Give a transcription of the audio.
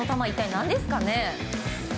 一体何ですかね？